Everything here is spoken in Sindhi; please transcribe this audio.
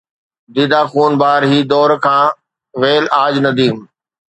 ديده خون بار هي دور کان، ويل آج نديم!